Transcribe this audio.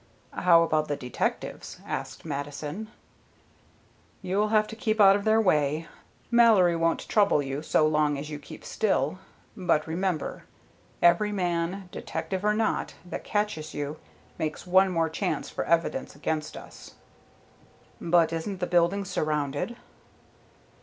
"How about the detectives?" asked Mattison. "You'll have to keep out of their way. Mallory won't trouble you so long as you keep still; but remember, every man, detective or not, that catches you, makes one more chance for evidence against us." "But isn't the building surrounded?"